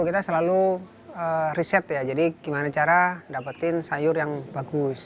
kita selalu riset ya jadi gimana cara dapetin sayur yang bagus